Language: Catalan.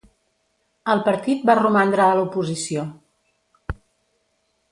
El partit va romandre a l'oposició.